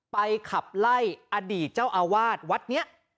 ขับไล่อดีตเจ้าอาวาสวัดนี้